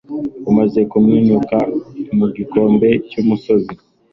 bamaze kuminuka mu gikombe cyumusozi